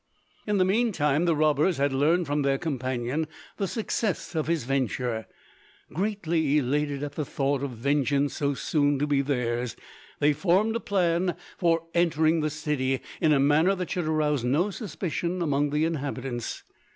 In the meantime the robbers had learned from their companion the success of his venture. Greatly elated at the thought of the vengeance so soon to be theirs, they formed a plan for entering the city in a manner that should arouse no suspicion among the inhabitants.